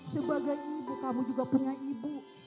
sebagai ibu kamu juga punya ibu